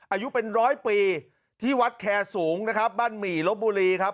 อายุเป็นร้อยปีที่วัดแคร์สูงนะครับบ้านหมี่ลบบุรีครับ